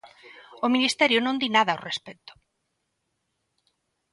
O Ministerio non di nada ao respecto.